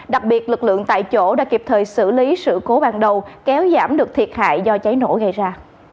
đặc biệt lực lượng tại chỗ đã kịp thời xử lý sự cố ban đầu kéo giảm được thiệt hại do cháy nổ gây ra